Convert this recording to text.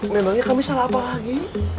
memangnya kami salah apa lagi